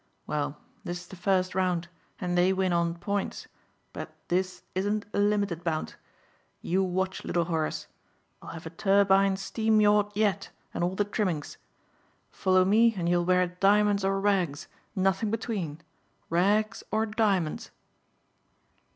Well, this is the first round and they win on points but this isn't a limited bout. You watch little Horace. I'll have a turbine steam yacht yet and all the trimmings. Follow me and you'll wear diamonds or rags nothing between. Rags or diamonds."